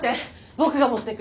ボクが持ってく。